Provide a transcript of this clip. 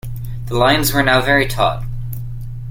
The lines were now very taut.